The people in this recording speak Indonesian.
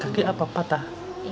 kaki apa patah